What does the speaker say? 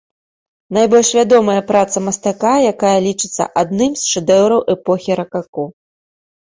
Найбольш вядомая праца мастака, якая лічыцца адным з шэдэўраў эпохі ракако.